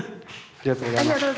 ありがとうございます。